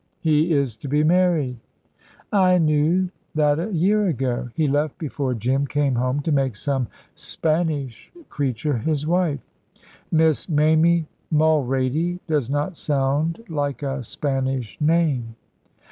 He is to be married." "I knew that a year ago. He left before Jim came home to make some Spanish creature his wife." "Miss Mamie Mulrady does not sound like a Spanish name."